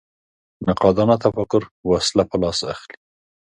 نقادانه تفکر وسله په لاس اخلي